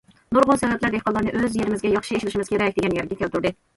نۇرغۇن سەۋەبلەر دېھقانلارنى‹‹ ئۆز يېرىمىزگە ياخشى ئىشلىشىمىز كېرەك›› دېگەن يەرگە كەلتۈردى.